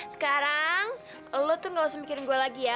sekarang lo tuh gak usah mikirin gue lagi ya